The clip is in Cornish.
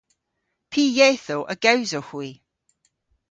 Py yethow a gewsowgh hwi?